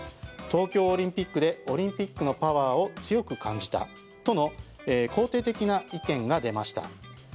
東京オリンピックでオリンピックのパワーを強く感じたとの肯定的な意見が出ました。